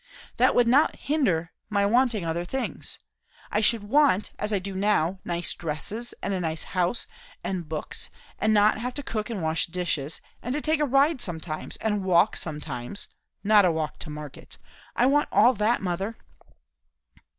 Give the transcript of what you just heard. "That would not hinder my wanting other things. I should want, as I do now, nice dresses, and a nice house, and books, and not to have to cook and wash dishes, and to take a ride sometimes and a walk sometimes not a walk to market I want all that, mother."